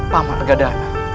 pak mat pega dana